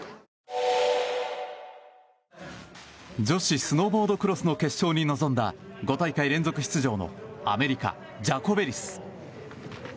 女子スノーボードクロスの決勝に臨んだ５大会連続出場のアメリカ、ジャコベリス。